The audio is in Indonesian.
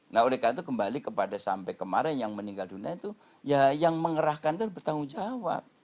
nah oleh karena itu kembali kepada sampai kemarin yang meninggal dunia itu ya yang mengerahkan itu bertanggung jawab